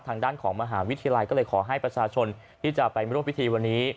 ทางด้านของมหาวิทยาลัยก็เลยขอให้ประชาชนที่จะไปร่วมพิธีวันนี้